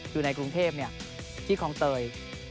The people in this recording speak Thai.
อยู่ในกรุงเทพที่คลองเตย